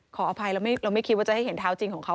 ขออภัยเราไม่คิดว่าจะให้เห็นเท้าจริงของเขา